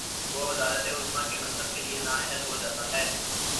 وہ وزارت عظمی کے منصب کے لیے نااہل ہو جا تا ہے۔